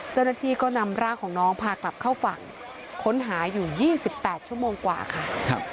เจ้าหน้าที่ก็นำร่างของน้องพากลับเข้าฝั่งค้นหาอยู่๒๘ชั่วโมงกว่าค่ะ